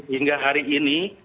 hingga hari ini